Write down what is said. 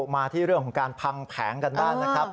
มาที่เรื่องของการพังแผงกันบ้างนะครับ